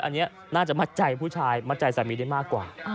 อันนี้น่าจะมัดใจผู้ชายมัดใจสามีได้มากกว่า